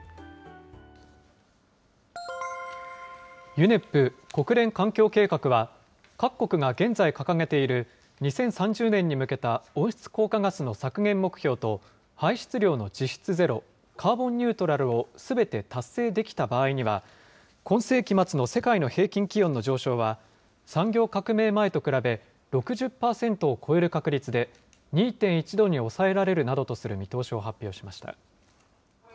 ＵＮＥＰ・国連環境計画は、各国が現在掲げている２０３０年に向けた温室効果ガスの削減目標と、排出量の実質ゼロ、カーボンニュートラルをすべて達成できた場合には、今世紀末の世界の平均気温の上昇は、産業革命前と比べ６０％を超える確率で２．１度に抑えられるなどとする見通しを発表しました。